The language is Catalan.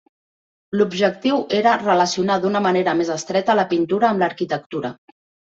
L'objectiu era relacionar d'una manera més estreta la pintura amb l'arquitectura.